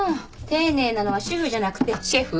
丁寧なのは主婦じゃなくてシェフ。